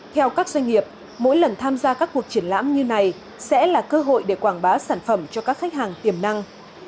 theo các doanh nghiệp mỗi lần tham gia các cuộc triển lãm như này sẽ là cơ hội để quảng bá sản phẩm cho các khách hàng tiềm năng